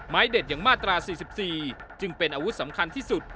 เด็ดอย่างมาตรา๔๔จึงเป็นอาวุธสำคัญที่สุด